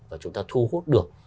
và chúng ta thu hút được